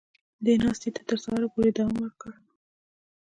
دې ناستې تر سهاره پورې دوام وکړ